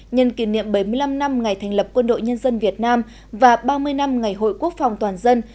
nhân kỷ niệm bảy mươi năm năm ngày thành lập quân đội nhân dân việt nam và ba mươi năm ngày hội quốc phòng toàn dân